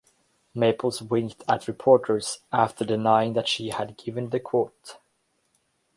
Maples winked at reporters after denying that she had given the quote.